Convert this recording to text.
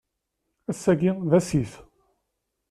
Ass-agi i d ass-is.